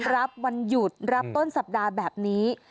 วันหยุดรับต้นสัปดาห์แบบนี้